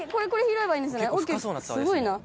すごいな。